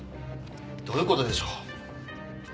どういう事でしょう？